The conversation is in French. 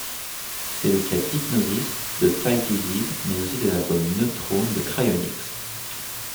C'est le cas d'Hypnosis, de Thy Disease mais aussi de l'album Neuthrone de Crionics.